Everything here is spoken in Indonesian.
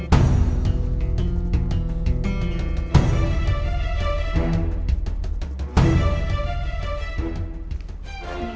kayaknya tim ini di rumahnya kayaknya saya dikunci know